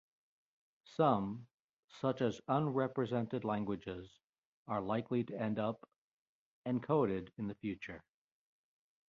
Some, such as unrepresented languages, are likely to end up encoded in the future.